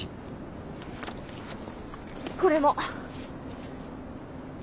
これも。